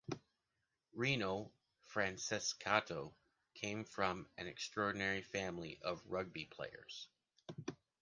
Rino Francescato came from an extraordinary family of rugby players.